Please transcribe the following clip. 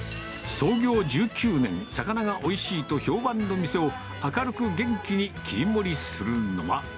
創業１９年、魚がおいしいと評判の店を明るく元気に切り盛りするのは。